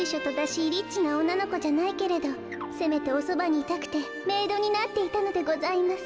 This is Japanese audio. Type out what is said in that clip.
リッチなおんなのこじゃないけどせめておそばにいたくてメイドになっていたのでございます。